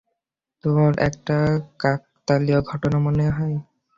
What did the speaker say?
তোর এটাকে কাকতালীয় ঘটনা মনে হয়?